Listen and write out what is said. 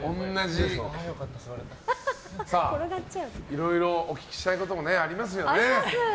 いろいろお聞きしたいこともありますよね。